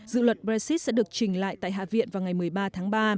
dự luật brexit sẽ được trình lại tại hạ viện vào ngày một mươi ba tháng ba